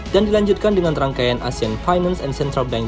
dan dilanjutkan dengan rangkaian asean finance and central bank